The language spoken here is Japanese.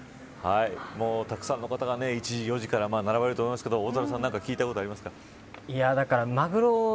たくさんの方が、１時４時から並ばれると思いますが大空さん何か聞きたいことありますか。